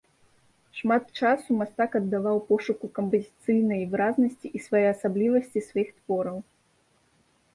Шмат часу мастак аддаваў пошуку кампазіцыйнай выразнасці і своеасаблівасці сваіх твораў.